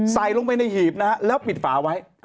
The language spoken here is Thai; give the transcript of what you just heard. ใส่ลงไปในหีบนะฮะแล้วปิดฝาไว้